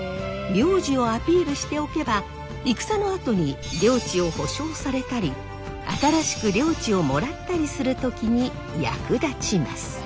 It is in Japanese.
名字をアピールしておけば戦のあとに領地を保証されたり新しく領地をもらったりする時に役立ちます。